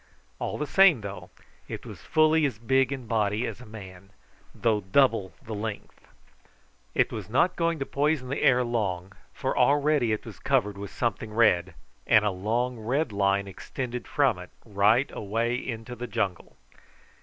All the same, though, it was fully as big in body as a man, though double the length. It was not going to poison the air long, for already it was covered with something red, and a long red line extended from it right away into the jungle.